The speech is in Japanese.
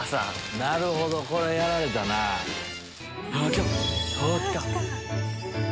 なるほどこれやられたなぁ。来た！